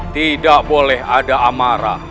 tidak boleh ada amarah